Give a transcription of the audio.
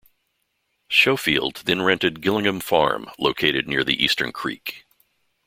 Schofield then rented "Gillingham Farm", located near the Eastern Creek.